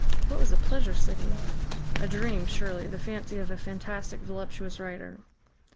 What was a Pleasure City? A dream, surely, the fancy of a fantastic, voluptuous writer.